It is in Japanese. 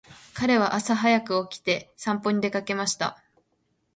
彼は朝早く起きて散歩に出かけました。